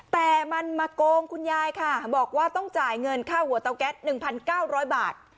แต่มันมาโกงคุณยายค่ะบอกว่าต้องจ่ายเงินค่าหัวเตาแก๊ส๑๙๐๐บาท